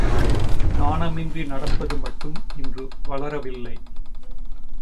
நாணமின்றி நடப்பது மட்டும் இன்று வளரவில்லை!